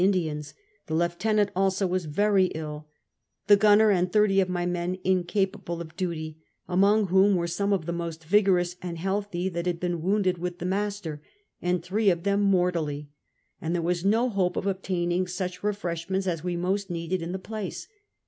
Indians, the lieutenant also was very ill, the gunner and thirty of my men incapable of duty, among whom were some of the most vigorous and healthy, that had been wounded with the master, and three of them mortally ; and there was no hope of obtaining such refreshments as we most needed in the place.